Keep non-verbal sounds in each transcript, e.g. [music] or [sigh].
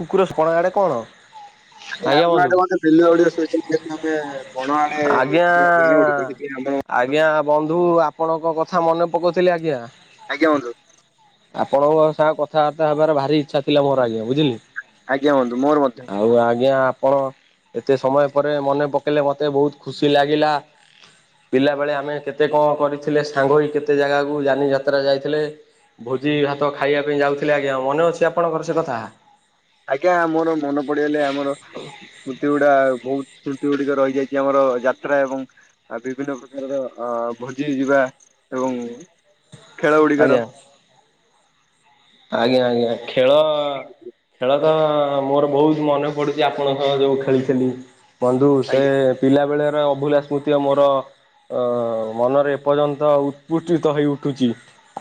କୁକୁର [unintelligible] ଆଡେ କଣ? ଏ ଆଜ୍ଞା ଆମ ବନ୍ଧୁ। ଆଡେ କଣ ଯେ ବିଲୁଆ ଭଳିଆ ଶୋଇଛନ୍ତି ଆଜ୍ଞା [unintelligible] ଆଜ୍ଞା ବନ୍ଧୁ ଆପଣଙ୍କ କଥା ମନେ ପକୋଉଥିଲି ଆଜ୍ଞା। ଆଜ୍ଞା ବନ୍ଧୁ। ଆପଣଙ୍କ ସାହ କଥାବାର୍ତ୍ତା ହେବାର ଭାରି ଇଚ୍ଛା ଥିଲା ମୋର ଆଜ୍ଞା ବୁଝିଲି। ଆଜ୍ଞା ବନ୍ଧୁ ମୋର ମଧ୍ଯ। ଆଉ ଆଜ୍ଞା ଆପଣ ଏତେ ସମୟ ପରେ ମନେ ପକେଇଲେ ମତେ ବହୁତ ଖୁସି ଲାଗିଲା। ପିଲାବେଳେ ଆମେ କେତେ କଣ କରିଥିଲେ ସାଙ୍ଗ ହୋଇ କେତେ ଜାଗାକୁ ଯାନି ଯାତ୍ରା ଯାଇଥିଲେ। ଭୋଜି ଭାତ ଖାଇବା ପାଇଁ ଯାଉଥିଲେ ଆଜ୍ଞା ମନେ ଅଛି ଆପଣଙ୍କର ସେ କଥା। ଆଜ୍ଞା ମୋର ମନେ ପଡିଗଲେ ଆମର ମୁତି ଗୁଡା ବହୁତ ସ୍ମୃତି ଗୁଡିକ ରହିଯାଇଛି ଆମର ଯାତ୍ରା ଏବଂ ଆ ବିଭିନ୍ନ ପ୍ରକାରର ଅ ଭୋଜି ଯିବା ଏବଂ ଖେଳ ଗୁଡିକର ଆଜ୍ଞା। ଆଜ୍ଞା ଆଜ୍ଞା ଖେଳ ଖେଳ ତ ମୋର ବୋହୁ ମନେ ପଡୁଛି ଆପଣଙ୍କ ସହ ଯୋଉ ଖେଳିଥିଲି ବନ୍ଧୁ ସେ ଆଜ୍ଞା ପିଲାବେଳେର ଅଭୁଲା ସ୍ମୃତି ଆଉ ମୋର ଅ ମନରେ ଏପର୍ଯ୍ୟନ୍ତ ଉତ୍ପୁଷ୍ଟିତ ହୋଇ ଉଠୁଛି।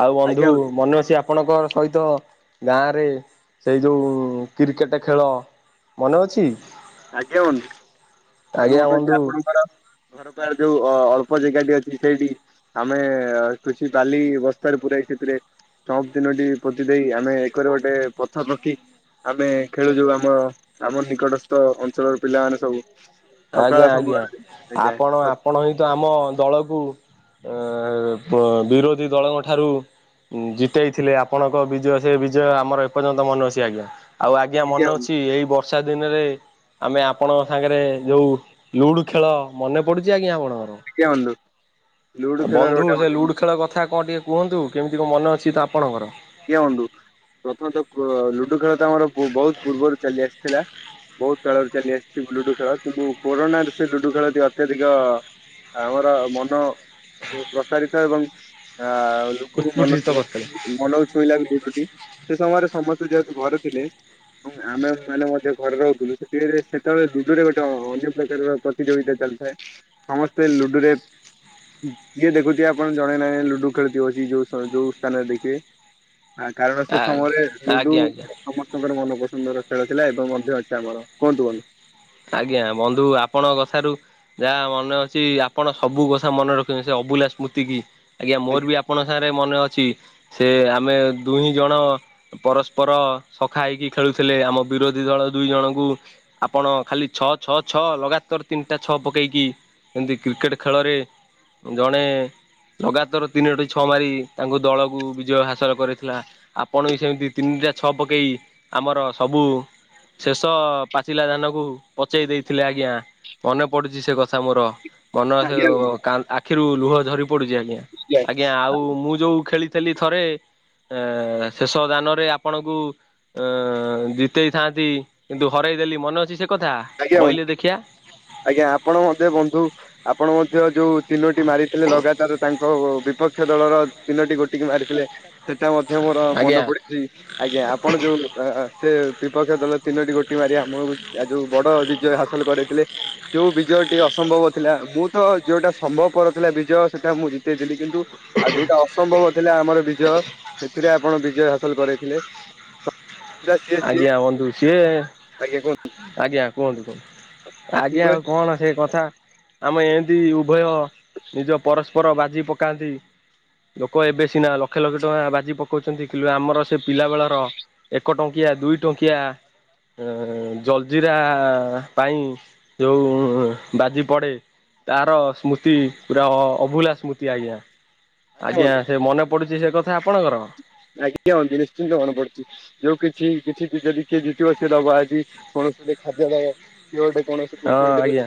ଆଉ ବନ୍ଧୁ ମନେ ଅଛି ଆପଣଙ୍କର ସହିତ ଗାଁରେ ସେଇ ଯୋଉ କିରିକେଟ ଖେଳ ମନେ ଅଛି? ଆଜ୍ଞା ବନ୍ଧୁ। ମୋର ଆଜ୍ଞା ମନେ ଅଛି, ବନ୍ଧୁ ଆପଣଙ୍କର ଘର ପା ଯୋଉ ଅ ଅଳ୍ପ ଜେଗାଟି ଅଛି ସେଇଠି ଆମେ ଖୁସି ବାଲି ବସ୍ତାରେ ପୁରାଇ ସେଥିରେ ଟବ ତିନୋଟି ପୋତି ଦେଇ ଆମେ ଏକରେ ଗୋଟେ ପଥର ରଖି ଆମେ ଖେଳୁ ଯୋଉ ଆମ ଆମ ନିକଟସ୍ଥ ଅଞ୍ଚଳର ପିଲାମାନେ ସବୁ। ସକାଳ ଆଜ୍ଞା ସମୟରେ ଆଜ୍ଞା ଆଜ୍ଞା ଆପଣ ଆପଣ ହିଁ ତ ଆମ ଦଳକୁ ଏ ବ ବିରୋଧୀ ଦଳଙ୍କ ଠାରୁ ଜିତେଇଥିଲେ ଆପଣଙ୍କ ବିଜୟ ସେ ବିଜୟ ଆମର ଏପର୍ଯ୍ୟନ୍ତ ମନେ ଅଛି ଆଜ୍ଞା। ଆଉ ଆଜ୍ଞା ମନେ ଅଛି ଏଇ ବର୍ଷା ଦିନରେ ଆମେ ଆପଣଙ୍କ ସାଙ୍ଗରେ ଯୋଉ ଲୁଡୁ ଖେଳ ମନେ ପଡୁଛି ଆଜ୍ଞା ଆପଣଙ୍କର? ଆଜ୍ଞା ବନ୍ଧୁ ଲୁଡୁ ଖେଳରେ ବନ୍ଧୁ ଗୋଟେ ସେ ଲୁଡୁ ଆଜ୍ଞା ଖେଳ କଥା କଣ ଟିକେ କୁହନ୍ତୁ କେମିତି କଣ ମନେ ଅଛି ତ ଆପଣଙ୍କର? ଆଜ୍ଞା ବନ୍ଧୁ ପ୍ରଥମେତଃ ପ ଲୁଡୁ ଖେଳ ତ ଆମର ବହୁତ୍ ପୂର୍ବରୁ ଚାଲି ଆସିଥିଲା। ବହୁତ୍ କାଳରୁ ଚାଲି ଆସିଛି ଲୁଡୁ ଖେଳ କିନ୍ତୁ କୋରନାରେ ସେ ଲୁଡୁ ଖେଳ ଟିକେ ଅତ୍ୟଧିକ ଆମର ମନ ପ୍ରସ୍ତାରିତ ଏବଂ ଆଉ ଲୋକଙ୍କୁ ଉତ୍ପୁଠିତ କରିଥିଲେ ମନ ମନ ଶୋଇଲା କୁ ଟି ଖୁସି ସମୟରେ ସମସ୍ତେ ଯେହେତୁ ଘରେ ଥିଲେ। ଆମେ ମାନେ ମଧ୍ୟ ଘରେ ରହୁଥିଲୁ ସେତେବେଳେ ସେତେବେଳେ ବିଲରେ ଗୋଟେ ଅନ୍ୟ ପ୍ରକାର ର କଥା। ପ୍ରତିଯୋଗିତା ଚାଲିଥାଏ ସମସ୍ତେ ଲୁଡୁରେ ଯିଏ ଦେଖୁଥିବେ ଆପଣ ଜଣେ ନାଖେ ଲୁଡ଼ୁ ଖେଳୁଥିବେ ବସିକି ଯୋଉଁ ଯୋଉଁ ସ୍ଥାନରେ ଦେଖିବେ। ଆଁ କାରଣ ସେ ସମୟରେ ଲୁଡୁ ଆଜ୍ଞା ଆଜ୍ଞା। ସମସ୍ତଙ୍କର ମନପସନ୍ଦର ଖେଳ ଥିଲା ଏବେ ମଧ୍ୟ ଅଛି ଆମର କୁହନ୍ତୁ ବନ୍ଧୁ। ଆଜ୍ଞା ବନ୍ଧୁ ଆପଣ କଥାରୁ ଯାହା ମନେ ଅଛି ଆପଣ ସବୁ କଥା ମନେ ରଖିଛନ୍ତି ସେ ଅଭୁଲା ସ୍ମୃତି କି ଆଜ୍ଞା ମୋର ବି ଆ ଆପଣ ସାଙ୍ଗରେ ମନେ ଅଛି ସେ ଆମେ ଦୁହି ଜଣ ପରସ୍ପର ସଖା ହେଇକି ଖେଳୁଥିଲେ ଆମ ବିରୋଧୀ ଦଳ ଦୁଇ ଜଣଙ୍କୁ ଆପଣ ଖାଲି ଛଅ ଛଅ ଛଅ ଲଗାତର ତିନିଟା ଛଅ ପକେଇକି ଏମିତି କ୍ରିକେଟ ଖେଳରେ ଜଣେ ଲଗାତର ତିନୋଟି ଛଅ ମାରିକି ତାଙ୍କ ଦଳକୁ ବିଜୟ ହାସଲ କରିଥିଲା। ଆପଣ ବି ସେମିତି ତିନିଟା ଛଅ ପକେଇ ଆମର ସବୁ ଶେଷ ପାଚିଲା ଧାନକୁ ପଚେଇ ଦେଇଥିଲେ ଆଜ୍ଞା ମନେ ପଡୁଛି ସେ କଥା ମୋର ମନ ଅଛି ଆଜ୍ଞା ବନ୍ଧୁ କା ଆ ଆଖିରୁ ଲୁହ ଝରି ପଡୁଛି ଆଜ୍ଞା ଆଜ୍ଞା ଆଉ ମୁଁ ଯୋଉ ଖେଳିଥିଲି ଥରେ ଆଁ ଶେଷ ଦାନରେ ଆପଣଙ୍କୁ ଅଁ ଜିତେଇଥାନ୍ତି କିନ୍ତୁ ହରେଇ ଦେଲି ମନେ ଅଛି ସେ କଥା? ଆଜ୍ଞା କହିଲେ ବନ୍ଧୁ ଦେଖିଆ ଆଜ୍ଞା ଆପଣ ମତେ ବନ୍ଧୁ ଆପଣ ମଧ୍ୟ ଯୋଉ ତିନୋଟି ମାରିଥିଲେ ଲଗାତାର ତାଙ୍କ ବିପକ୍ଷ ଦଳର ତିନୋଟି ଗୋଟିକି ମାରିଥିଲେ। ସେଟା ମଧ୍ୟ ମୋର ଆଜ୍ଞା ମନେ ପଡିଚି ଆଜ୍ଞା ଆପଣ ଯୋଉ ସେ ବିପକ୍ଷ ଦଳର ତିନୋଟି ଗୋଟି ମାରି ଆମକୁ ଆ ବଡ ବିଜୟ ହାସଲ କରେଇଥିଲେ ଯୋଉ ବିଜୟଟି ଅସମ୍ଭବ ଥିଲା ମୁଁ ତ ଯୋଉଟା ସମ୍ଭବ ପର ଥିଲା ବିଜୟ ସେଟା ମୁଁ ଜି ଜିତିଥିଲି କିନ୍ତୁ ଆଉ ଯୋଉଟା ଅସମ୍ଭବ ଥିଲା ଆମର ବିଜୟ। ସେଥିରେ ଆପଣ ବିଜୟ ହାସଲ କରେଇଥିଲେ। ସିଏ ଯିଏ ଆଜ୍ଞା ବନ୍ଧୁ କିଏ। ଆଜ୍ଞା ଆଜ୍ଞା କୁହନ୍ତୁ ଆଜ୍ଞା କୁହନ୍ତୁ। ଆଉ କଣ ସେ କଥା। ଆମେ ଏମିତି ଉଭୟ ନିଜ ପରସ୍ପର ବାଜି ପକାନ୍ତି। ଲୋକ ଏବେ ସିନା ଲକ୍ଷ ଲକ୍ଷ ଟଙ୍କା ବାଜି ପକଉଛନ୍ତି କିନ୍ତୁ ଆମର ସେ ପିଲା ବେଳର ଏକ ଟଙ୍କିଆ ଦୁଇ ଟଙ୍କିଆ ଅଁ ଜଲଜିରା ପାଇଁ ଯୋଉ ବାଜି ପଡେ। ତାର ସ୍ମୃତି ପୁରା ଅଭୁଲା ସ୍ମୃତି ଆଜ୍ଞା। ଆଜ୍ଞା ସେ ମନେ ପଡୁଛି ସେ କଥା ଆପଣଙ୍କର। ଆଜ୍ଞା [unintelligible] ନିଶ୍ଚିନ୍ତ [unintelligible] ପଡୁଚି। ଯୋଉ କିଛି-କିଛି ବି ଯଦି କିଏ ଜିତିବ ସେ ଦବ ଆଜି କୌଣସି ଗୋଟେ ଖାଦ୍ୟ ଦବ। କିଏ ଗୋଟେ କୌଣସି କୁରକୁରେ ଟେ ଦବ ଆଜ୍ଞା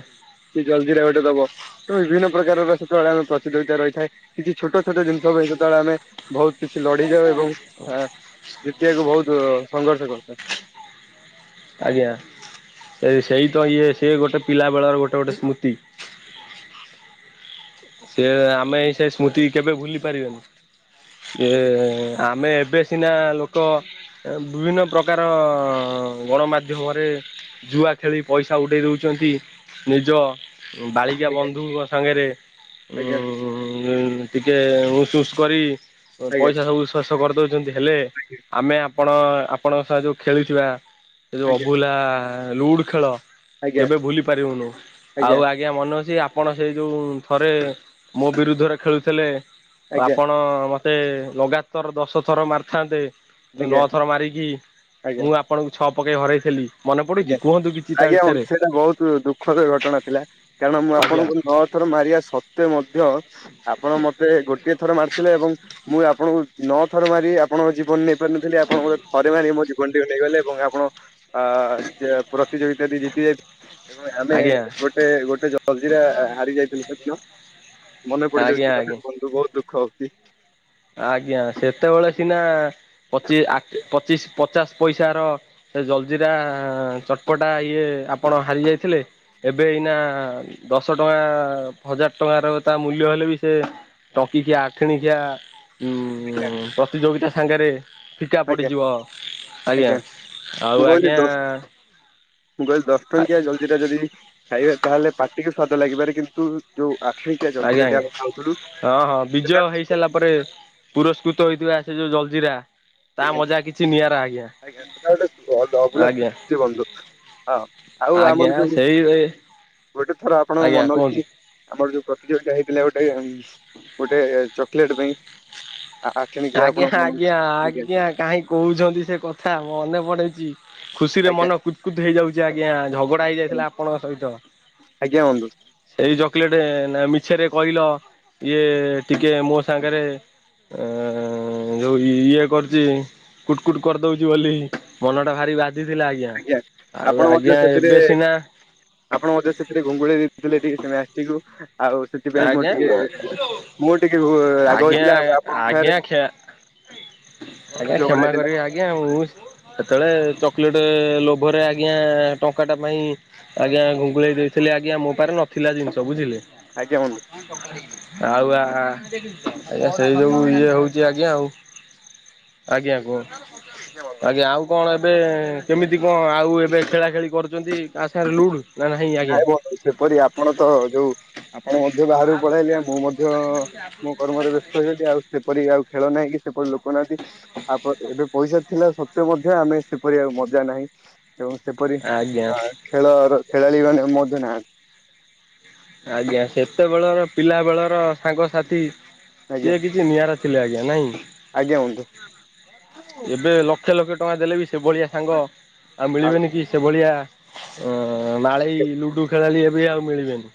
କି ଜଲଜୀରା ଗୋଟେ ଦବ ତ ବିଭିନ୍ନ ପ୍ରକାରର ସେତବେଳେ ଆମେ ପ୍ରତିଯୋଗିତା ରହିଥାଏ କିଛି ଛୋଟ-ଛୋଟ ଜିନିଷ ପାଇଁ ଯେତବେଳେ ଆମେ ବହୁତ୍ କିଛି ଲଢିଯାଉ ଏବଂ ଜିତିବାକୁ ବହୁତ୍ ସଂଘର୍ଷ କରୁଥାଉ। ଆଜ୍ଞା ସେ ସେଇ ତ ଇଏ ସେ ଗୋଟେ ପିଲା ବେଳର ଗୋଟେ-ଗୋଟେ ସ୍ମୃତି। ସେ ଆମେ ସେ ସ୍ମୃତି କେବେ ଭୁଲି ପାରିବେନି। ଏ ଆମେ ଏବେ ଚିହ୍ନା ଲୋକ ବିଭିନ୍ନ ପ୍ରକାର ଗଣମାଧ୍ୟମରେ ଜୁଆ ଖେଳି ପଇସା ଉଡେଇ ଦଉଚନ୍ତି ନିଜ ବାଳିକା ଆଜ୍ଞା ବନ୍ଧୁଙ୍କ ସାଙ୍ଗରେ ଆଜ୍ଞା ଉଁ ଟିକେ ଉସ୍-ଉସ୍ କରି ଆଜ୍ଞା ପଇସା ସବୁ ଶେଷ କରିଦଉ ଛନ୍ତି ହେଲେ ଆମେ ଆପଣ ଆପଣଙ୍କ ସାଙ୍ଗେ ଯୋଉ ଖେଳିଥିବା ସେ ଯୋଉ ଆଜ୍ଞା ଅଭୁଲା ଲୁଡୁ ଖେଳ ଆଜ୍ଞା କେବେ ଭୁଲି ପାରିବୁନୁ, ଆଉ ଆଜ୍ଞା ମନେ ଅଛି ଆପଣ ସେଇ ଯୋଉ ଥରେ ମୋ ବିରୁଦ୍ଧରେ ଖେଳୁଥିଲେ ଆଜ୍ଞା ଆପଣ ମତେ ଲଗାତର ଦଶ ଥର ମାରିଥାନ୍ତେ ମୁଁ ଆଜ୍ଞା ନଅ ଥର ମାରିକି ମୁଁ ଆପଣଙ୍କୁ ଛଅ ପକେଇ ହରେଇଥିଲି। ମନେ ପଡୁଛି କୁହନ୍ତୁ କିଛି ତା ଆଜ୍ଞା-ଆଜ୍ଞା ହଁ ବିଷୟରେ? ସେଇଟା ବହୁତ୍ ଦୁଃଖଦ ଘଟଣା ଥିଲା କାରଣ ମୁଁ ଆଜ୍ଞା ଆପଣଙ୍କୁ ନ ଥର ମାରିବା ସତ୍ତ୍ୱେ ମଧ୍ୟ ଆପଣ ମତେ ଗୋଟିଏ ଥର ମାରିଥିଲେ ଏବଂ ମୁଁ ଆପଣଙ୍କୁ ନଅ ଥର ମାରି ଆପଣଙ୍କ ଜୀବନ ନେଇପାରିନଥିଲି ଆପଣଙ୍କ ଥରେ ମାରି ମୋ ଜୀବନଟିକୁ ନେଇଗଲେ ଏବଂ ଆପଣ ପ୍ରତିଯୋଗିତାଟି ଜିତି ଯାଇ ଏବଂ ଆମେ ଆଜ୍ଞା ଗୋଟେ-ଗୋଟେ ଜଲଜିରା ହାରି ଯାଇଥିଲୁ ସେଦିନ। ମନେ ପଡିଯାଉଛି ଆଜ୍ଞା ସେ କଥା ଆଜ୍ଞା ବନ୍ଧୁ ବହୁତ୍ ଦୁଃଖ ହଉଚି। ଆଜ୍ଞା ସେତେବେଳେ ସିନା ପଚିଶ-ପଚିଶ ପଚାଶ ପଇସାର ସେ ଜଲଜିିରା ଚଟପଟା ଇଏ ଆପଣ ହାରି ଯାଇଥିଲେ ଏବେ ଏଇନା ଦଶ ଟଙ୍କା ହଜାର ଟଙ୍କାର ତା ମୂଲ୍ୟ ହେଲେ ବି ସେ ଟଙ୍କିିକିଆ ଆଠିଣିକିଆ ଉଁ ପ୍ରତିଯୋଗିତା ସାଙ୍ଗରେ ଫିକା ଆଜ୍ଞା ପଡିଯିବ ଆଜ୍ଞା, ମୁଁ ଆଉ କହିଲି ଆଜ୍ଞା ଦଶ ମୁଁ କହିଲି ଦଶ ଟଙ୍କିଆ ଜଲଜୀରା ଯଦି ଖାଇବା ତାହେଲେ ପାଟିିକି ସ୍ଵାଦ ଲାଗିପାରେ କିନ୍ତୁ ଯୋଉ ଆଠଣିକିଆ ଆଜ୍ଞା ଆଜ୍ଞା ଜଲଜୀରାଟି ଆମେ ଖାଉଥିଲୁ ହଁ ହଁ ବିଜୟ ସେଟା [inaudible] ପୁରସ୍କୃତ ହୋଇଥିବା ସେ ଯୋଉ ଜଲଜିିରା ତା ମଜା କିଛି ନିଆରା ଆଜ୍ଞା ଆଜ୍ଞା-ଆଜ୍ଞା ସେଟା ଗୋଟେ ଅଭୂଲା ଆଜ୍ଞା ସ୍ମୃତି ବନ୍ଧୁ। ହଁ ଆଉ ଆଜ୍ଞା ଆମର ଯୋଉ ସେଇ ଗୋଟେ ଥର ଆପଣଙ୍କ ଆଜ୍ଞା ମନେ କୁହନ୍ତୁ। ଅଛି ଆମର ଯୋଉ ପ୍ରତିଯୋଗିତା ହୋଇଥିଲା ଗୋଟେ-ଗୋଟେ ଚକଲେଟ୍ ପାଇଁ ଆ ଆଠେଣିକିଆ ଆଜ୍ଞା ଆପଣ [unintelligible] ଆଜ୍ଞା ଆଜ୍ଞା କାହିଁ କହୁଚନ୍ତି ସେ କଥା ମନେ ପଡ଼ୁଚି। ଖୁସି ରେ ଆଜ୍ଞା ମନ କୁତ୍-କୁତ୍ ହେଇଯାଉଚି ଆଜ୍ଞା ଝଗଡା ହେଇଯାଇଥିଲା ଆପଣଙ୍କ ସହିତ। ଆଜ୍ଞା ବନ୍ଧୁ। ସେଇ ଚକଲେଟ୍ ନା ମିଛରେ କହିଲ ଇଏ ଟିକେ ମୋ ସାଙ୍ଗରେ ଏ ଯୋଉ ଇଏ କରୁଛି କୁଟ୍-କୁଟ୍ କରିଦଉଚି ବୋଲି ମନଟା ଭାରି ବା ଥିଲା ଆଜ୍ଞା ଆଉ ଆପଣ ମଧ୍ୟ ଆଜ୍ଞା ସେଥିରେ ଏବେ ସିନା ଆପଣ ମଧ୍ୟ ସେଥିରେ ଘୁଙ୍ଗୁଳେଇ ଦେଇଥିଲେ ଟିକେ ସେ ମ୍ୟାଚ୍ ଟିକୁ। ଆଉ ସେଥିପାଇଁ ମୋର ଆଜ୍ଞା ଟିକେ ମୁଁ ଟିକେ ରାଗ ଆଜ୍ଞା ହେଇଥିଲା ଆଉ ଆପଣଙ୍କ ଆଜ୍ଞା ସାଙ୍ଗରେ ହ କ୍ଷା ଆଜ୍ଞା କ୍ଷମା କରିବି ଆଜ୍ଞା ମୁଁ ସେତେବେଳେ ଚକୋଲେଟ୍ ଲୋଭରେ ଆଜ୍ଞା ଟଙ୍କାଟା ପାଇଁ ଆଜ୍ଞା ଘୁଙ୍ଗୁଳେଇ ଦେଇଥିଲେ ଆଜ୍ଞା ମୋ ପାଖ ନଥିଲା ଜିନିଷ ବୁଝିଲେ। ଆଜ୍ଞା ବନ୍ଧୁ। ଆଉ ଆ ଆଜ୍ଞା ସେଇ ସବୁ ଇଏ ହଉଛି ଆଜ୍ଞା ଆଉ। ଆଜ୍ଞା କୁହ? ଆଜ୍ଞା ବନ୍ଧୁ। ଆଜ୍ଞା ଆଉ କଣ ଏବେ କେମିତି କଣ ଆଉ ଏବେ ଖେଳା ଖେଳି କରୁଛନ୍ତି। ଆଚ୍ଛା ଲୁଡୁ ନାଁ ନାହିଁ ନାଇଁ ଆଜ୍ଞା। ବନ୍ଧୁ ସେପରି ଆପଣ ତ ଯୋଉ ଆପଣ ମଧ୍ୟ ବାହାରକୁ ପଳେଇଲେ ମୁଁ ମଧ୍ୟ ମୋ କର୍ମରେ ବ୍ୟସ୍ତ ହେଇଗଲି ଆଉ ସେପରି ଆଉ ଖେଳ ନାହିଁ କି ସେପରି ଲୋକ ନାହାନ୍ତି। ଆପ ଏବେ ପଇସା ଥିଲା ସତ୍ତ୍ୱେ ମଧ୍ୟ ଆମେ ସେପରିଆ ମଜା ନାହିଁ। ଏବଂ ସେପରି ଆଜ୍ଞା ଖେଳର ଖେଳାଳି ମାନେ ମଧ୍ୟ ନାହାନ୍ତି। ଆଜ୍ଞା ସେତେବେଳର ପିଲା ବେଳର ସାଙ୍ଗସାଥି ଆଜ୍ଞା ସିଏ କି ନିଆରା ଥିଲେ ଆଜ୍ଞା ନାଇଁ। ଆଜ୍ଞା ବନ୍ଧୁ। ଏବେ ଲକ୍ଷେ ଲକ୍ଷେ ଟଙ୍କା ଦେଲେ ବି ସେଭଳିଆ ସାଙ୍ଗ ଆଉ ଆଉ ମିଳିବେନି କି? ସେଭଳିଆ ଅ ନାଳେଇ ଲୁଡୁ ଖେଳାଳି ଏବେ ଆଉ ମିଳିବେନି।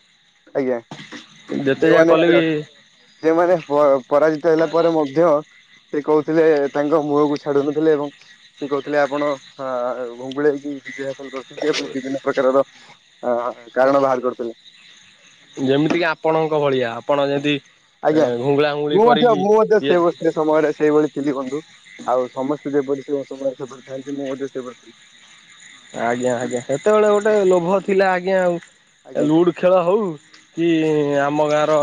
ଆଜ୍ଞା ଯେତେ ଯାହା ଯେଉମାନେ କଲେ ବି ଯୋଉ ସେମାନେ ପରାଜିତ ହେଲା ପରେ ମଧ୍ୟ ସେ କହୁଥିଲେ ତାଙ୍କ ମୁହଁକୁ ଛାଡୁନଥିଲେ ଏବଂ ସେ କହୁଥିଲେ ଆପଣ ଘୁଙ୍ଗୁଳେଇକି ବିଜ ହାସଲ କରୁଥିଲେ। ବିଭିନ୍ନ ପ୍ରକାରର ଅ କାରଣ ବାହାର କରୁଥିଲେ। ଯେମିତି କିି ଆପଣଙ୍କ ଭଳିଆ ଆପଣ ଯେମିତି ଆଜ୍ଞା ଘୁଙ୍ଗୁଳା ଘୁଙ୍ଗୁଳି ମୁଁ ମଧ୍ୟ କରିକି ମୁଁ ମଧ୍ୟ ଇଏ ସେ ବ ସେ ସମୟରେ ସେଇଭଳି ଥିଲି ବନ୍ଧୁ। ଆଉ ସମସ୍ତେ ଯେପରି ସେ ସମୟ ସେପରି ଥାଆନ୍ତି ମୁଁ ମଧ୍ୟ ସେ ଆଜ୍ଞା ଆଜ୍ଞା ସେତେବେଳେ ଗୋଟେ ଲୋଭ ଥିଲା ଆଜ୍ଞା ଆଜ୍ଞା ଲୁଡ୍ ଖେଳ ହଉ କି ଆମ ଗାଁର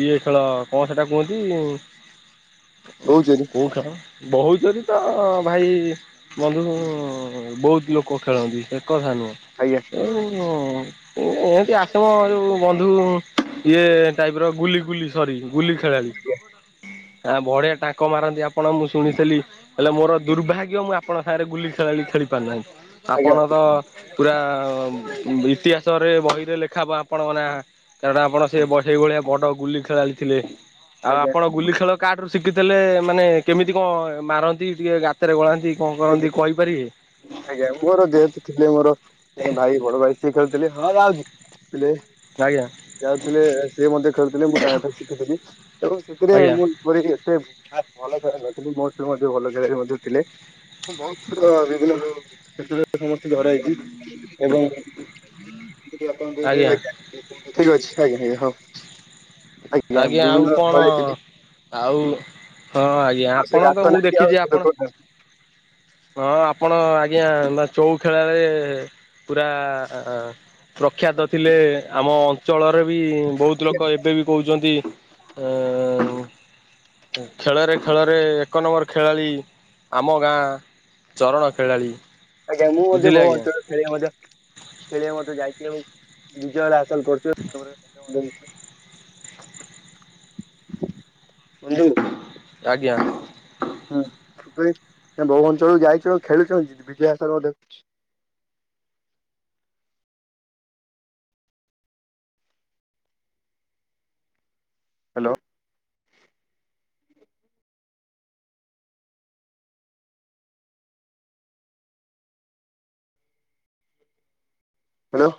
ଇଏ ଖେଳ କଣ ସେଇଟା କୁହନ୍ତି? କହୁଚି କେଉଁ ଖେଳ? ବୋହୁ ଚୋରି ତ ଭାଇ ବନ୍ଧୁ ବହୁତ୍ ଲୋକ କ ଖେଳନ୍ତି ଏକ ଧାନ ଆଜ୍ଞା ଏମତି ଆସମ ଯୋଉ ବନ୍ଧୁ ଇଏ ଟାଇପ୍ ର ଗୁଲି ଗୁଲି ସରି ଗୁଲି ଖେଳାଳି ବଢିଆ ଟାଙ୍କ ମାରନ୍ତି ଆପ୍ ଆପଣ ମୁଁ ଶୁଣିଥିଲି ହେଲେ ମୋର ଦୁର୍ଭାଗ୍ୟ ମୁଁ ଆପଣ ସାଙ୍ଗରେ ଗୁଲି ଖେଳାଳି ଖେଳି ପାରୁନାହିଁ। ଆଜ୍ଞା ଆପଣ ତ ପୁରା ଇତିହାସରେ ବହିରେ ଲେଖାବ ଆପଣ ନାଁ କାରଣ ଆପଣ ସେ ବସେଇ ଭଳିଆ ବଡ ଗୁଲି ଖେଳାଳି ଥିଲେ। ଆଉ ଆଜ୍ଞା ଆପଣ ଗୁଲି ଖେଳ କାଠୁ ଶିଖିଥିଲେ ମାନେ କେମିତି କଣ ମାରନ୍ତି? ଟିକେ ଗ ଭିତରେ ଗୋଳାନ୍ତି କଣ ଆଜ୍ଞା କରନ୍ତି କହିପାରିବେ? ଆଜ୍ଞା ମୋର ଯେହେତୁ ଥିଲେ ମୋର ଜେ ଭାଇ ବଡ ଭାଇ ସିଏ ଖେଳୁଥିଲେ ହଁ ଯାଉଛି। ପିଲେ ଆଜ୍ଞା ଯାଉଥିଲେ ସିଏ ମଧ୍ୟ ଖେଳୁଥିଲେ ମୁଁ ତାଙ୍କଠାରୁ ଶିଖୁଥିଲି ତ ସେଥିରେ ଆଜ୍ଞା ମୁଁ ପୋ ଏତେ ଭଲ ଖେଳାଳି ନଥିଲି ମୋ ସ ମଧ୍ୟ ଭଲ ଖେଳାଳି ମଧ୍ୟ ଥିଲେ। ବହୁତ୍ ଥର ବିଭିନ୍ନ ସେଥି ସମସ୍ତେ ଧର ହେଇଛି ଏବଂ ଆପଣ ଆଜ୍ଞା ଠିକ ଅଛି ଆଜ୍ଞା ଆଜ୍ଞା ହଉ ଆଜ୍ଞା ଆଜ୍ଞା ଆଉ ବିଭିନ୍ନ କଣ ଘରେ ଥିଲି ଆଉ ହଁ ଆଜ୍ଞା ଆଉ ସେ ଆପଣ ତ ଗାତ ମୁଁ ନାଗି ଆଉ ଦେଖିଛି ସେ ଆପଣ ଲୋକଟା ହଁ ଆପଣ ଆଜ୍ଞା ନା ଚଉ ଖେଳରେ ପୁରା ପ୍ରଖ୍ୟାତ ଥିଲେ ଆମ ଅଞ୍ଚଳରେ ବି ବହୁତ ଖେଳି। ଲୋକ ଏବେ ବି କହୁଛନ୍ତି ଖେଳରେ ଖେଳରେ ଏକ ନମ୍ବର ଖେଳାଳି ଆମ ଗାଁ ଚରଣ ଖେଳାଳି ଆଜ୍ଞ ମୁଁ ମଧ୍ୟ ବୁଝିଲେ ବହୁ ଆଜ୍ଞା ଅଞ୍ଚଳ ଖେଳିବା ମଧ୍ୟ ଖେଳିବା ମଧ୍ୟ ଯାଇଛି। ବିଜୟ ହାସଲ କରୁଛୁ [unintelligible] ଆଜ୍ଞା। ହୁଁ ବହୁ ଅଞ୍ଚଳରୁୁ ଯାଇଛ ଖେଳୁଛ ବିଜୟ ହାସଲ ମଧ୍ୟ ଦେଖୁଛି ହ୍ୟାଲୋ। ହ୍ୟାଲୋ।